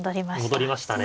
戻りましたね。